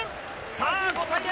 さあ、５対０。